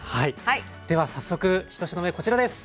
では早速１品目こちらです。